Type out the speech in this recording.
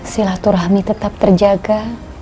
silaturahmi tetap terjaga